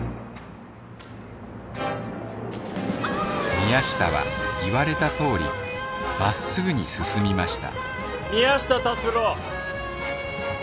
宮下は言われた通りまっすぐに進みました宮下達朗。